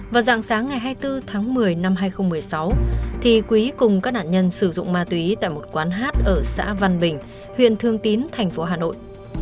vào dạng sáng ngày hai mươi bốn tháng một mươi năm hai nghìn một mươi sáu thì quý cùng các nạn nhân sử dụng ma túy tại một quán hát ở xã văn bình huyện thương tín thành phố hà nội